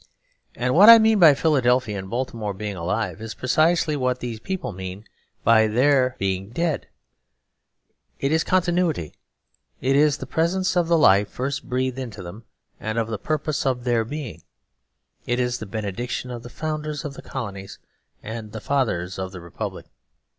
And what I mean by Philadelphia and Baltimore being alive is precisely what these people mean by their being dead; it is continuity; it is the presence of the life first breathed into them and of the purpose of their being; it is the benediction of the founders of the colonies and the fathers of the republic.